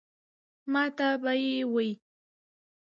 ماته به ئې وې ـ